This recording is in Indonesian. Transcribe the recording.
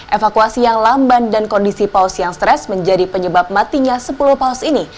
evakuasi yang lamban dan kondisi paus yang stres menjadi penyebab matinya sepuluh paus ini